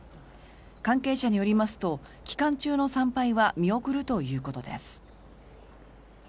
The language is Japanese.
関係者によりますと期間中の参拝は見送るということです。